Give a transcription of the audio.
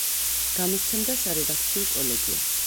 გამოსცემდა სარედაქციო კოლეგია.